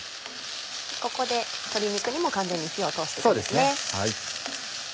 ここで鶏肉にも完全に火を通していくんですね。